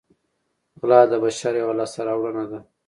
غلا د بشر یوه لاسته راوړنه ده